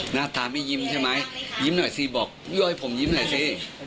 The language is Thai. หน้าตาไม่ยิ้มใช่ไหมยิ้มหน่อยสิบอกโยให้ผมยิ้มหน่อยสิ